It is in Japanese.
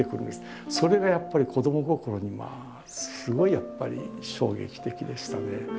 それがやっぱり子ども心にすごいやっぱり衝撃的でしたね。